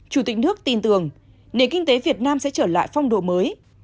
chủ tịch nước tin tưởng nền kinh tế việt nam sẽ trở lại phong đồ mới